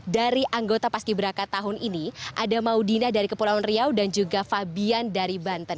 dari anggota paski beraka tahun ini ada maudina dari kepulauan riau dan juga fabian dari banten